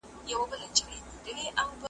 نور که ستا سره کړي مینه لري خپل خپل مطلبونه ,